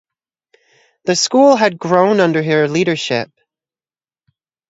The school had grown under her leadership.